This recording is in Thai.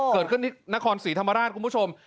เกิดขึ้นที่นครศรีธรรมราชคุณผู้ชม